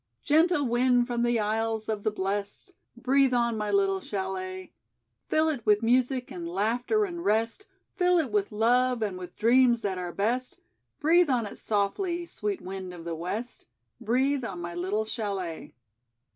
"Gentle Wind from the Isles of the Blest, Breathe on my little chalet, Fill it with music and laughter and rest; Fill it with love and with dreams that are best; Breathe on it softly, sweet Wind of the West, Breathe on my little chalet."